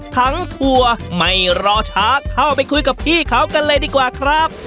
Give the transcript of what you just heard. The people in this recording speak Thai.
ทั้งทัวร์ไม่รอช้าเข้าไปคุยกับพี่เขากันเลยดีกว่าครับ